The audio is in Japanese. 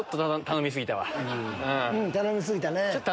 頼み過ぎたね。